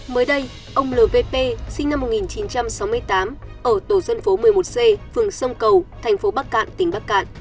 mới đây ông lvp sinh năm một nghìn chín trăm sáu mươi tám ở tổ dân phố một mươi một c phường sông cầu thành phố bắc cạn tỉnh bắc cạn